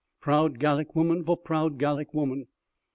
Proud Gallic woman for proud Gallic woman.